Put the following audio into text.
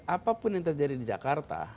apapun yang terjadi di jakarta